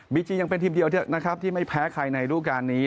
จียังเป็นทีมเดียวนะครับที่ไม่แพ้ใครในรูปการณ์นี้